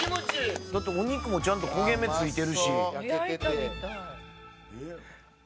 お肉もちゃんと焦げ目ついてるし。